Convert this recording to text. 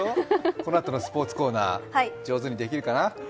このあとのスポーツコーナー、上手にできるかな。